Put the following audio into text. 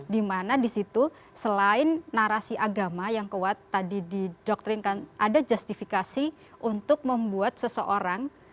dimana disitu selain narasi agama yang kuat tadi didoktrinkan ada justifikasi untuk membuat seseorang